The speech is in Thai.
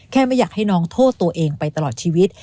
ไม่อยากให้น้องโทษตัวเองไปตลอดชีวิต